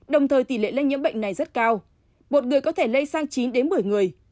đồng thời tỷ lệ lây nhiễm bệnh này rất cao một người có thể lây sang chín một mươi người